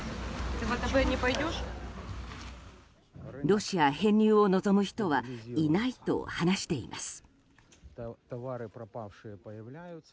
ロシア編入を望む人はいないと話しています。